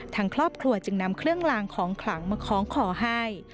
ทางครอบครัวจึงนำเครื่องลางของขลังมาคล้องคอให้